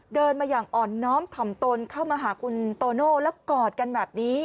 เดินมาอย่างอ่อนน้อมถ่อมตนเข้ามาหาคุณโตโน่แล้วกอดกันแบบนี้